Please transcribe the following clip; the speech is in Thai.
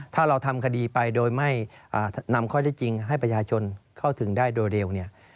ถ้าเราทำคดีไปโดยไม่นำข้อได้จริงให้ประชาชนเข้าถึงได้โดยเร็วเนี่ย